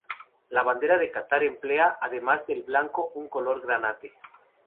La bandera de Catar emplea, además del blanco, un color granate.